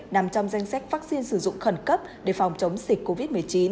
nằm trong danh sách vaccine sử dụng khẩn cấp để phòng chống dịch covid một mươi chín